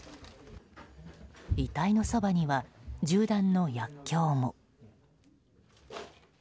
遺体のそばには、銃弾の薬莢も。